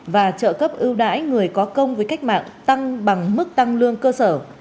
và trợ cấp ưu đãi người có công với cách mạng tăng bằng mức tăng lương cơ sở